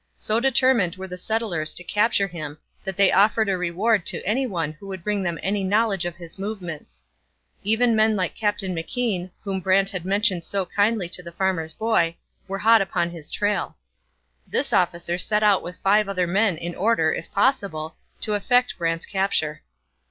So determined were the settlers to capture him that they offered a reward to any one who would bring them any knowledge of his movements. Even men like Captain McKean, whom Brant had mentioned so kindly to the farmer's boy, were hot upon his trail. This officer set out with five other men in order, if possible, to effect Brant's capture.